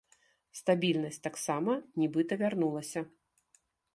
Стабільнасць таксама нібыта вярнулася.